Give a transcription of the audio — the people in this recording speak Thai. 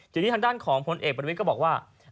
อยู่ที่ทางด้านของผลเอกบริวิตก็บอกว่า